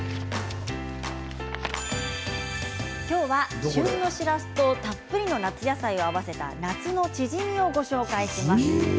今日は旬のしらすとたっぷりの夏野菜を合わせた夏のチヂミをご紹介します。